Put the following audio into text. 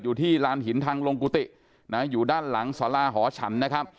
อยู่ที่ร้านหินทางลงกุฏินะอยู่ด้านหลังฉัน